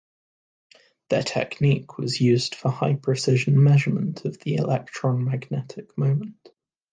Their technique was used for high precision measurement of the electron magnetic moment.